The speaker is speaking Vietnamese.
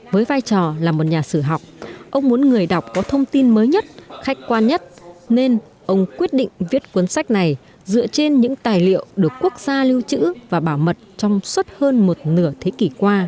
với vai trò là một nhà sử học ông muốn người đọc có thông tin mới nhất khách quan nhất nên ông quyết định viết cuốn sách này dựa trên những tài liệu được quốc gia lưu trữ và bảo mật trong suốt hơn một nửa thế kỷ qua